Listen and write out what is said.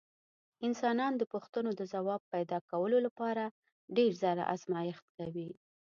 انسانان د پوښتنو د ځواب پیدا کولو لپاره ډېر ځله ازمېښت کوي.